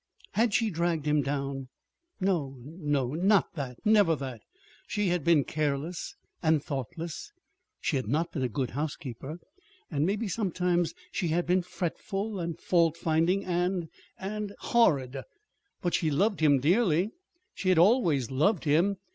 _" Had she dragged him down? No, no, not that never that! She had been careless and thoughtless. She had not been a good housekeeper; and maybe sometimes she had been fretful and fault finding, and and horrid. But she loved him dearly. She had always loved him.